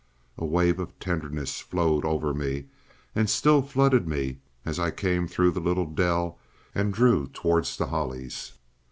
A wave of tenderness flowed over me, and still flooded me as I came through the little dell and drew towards the hollies.